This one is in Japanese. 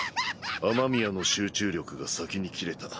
雨宮の集中力が先に切れた。